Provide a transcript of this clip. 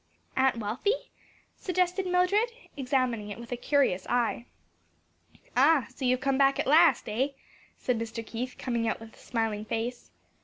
"Aunt Wealthy," suggested Mildred, examining it with a curious eye. "Ah, so you have come back at last, eh?" said Mr. Keith coming out with a smiling face.